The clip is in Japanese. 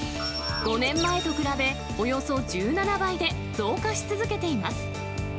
５年前と比べ、およそ１７倍で増加し続けています。